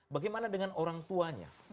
bagaimana dengan orang tuanya